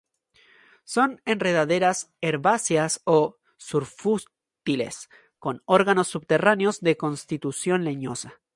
Son enredaderas herbáceas o sufrútices; con órganos subterráneos de constitución leñosa.